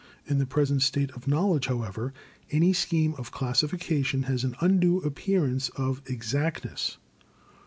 In the present state of knowledge, however, any scheme of classification has an undue appearance of exactness.